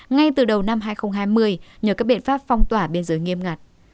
ngay từ đầu năm hai nghìn hai mươi nhờ các biện pháp phong tỏa biên giới nghiêm ngặt